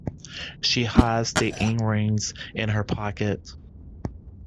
She hides the earrings in her pocket.